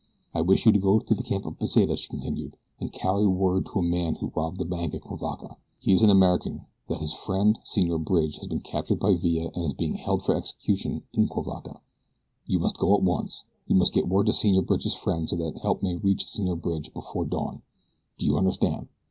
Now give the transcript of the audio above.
"I wish you to go to the camp of Pesita," she continued, "and carry word to the man who robbed the bank at Cuivaca he is an American that his friend, Senor Bridge has been captured by Villa and is being held for execution in Cuivaca. You must go at once you must get word to Senor Bridge's friend so that help may reach Senor Bridge before dawn. Do you understand?"